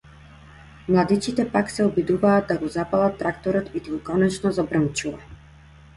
Младичите пак се обидуваат да го запалат тракторот и тој конечно забрмчува.